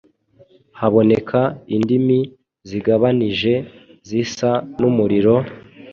Haboneka indimi zigabanije zisa n’umuriro,